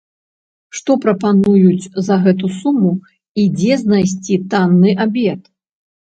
Што прапануюць за гэту суму і дзе знайсці танны абед?